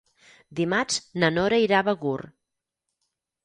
Dimarts na Nora irà a Begur.